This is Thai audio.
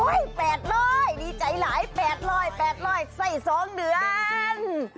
โอ้ยแปดร้อยดีใจหลายแปดร้อยแปดร้อยใส่สองเดือน